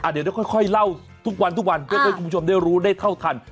เดี๋ยวค่อยเล่าทุกวันทุกวันเพื่อให้คุณผู้ชมได้รู้ได้เท่าทัน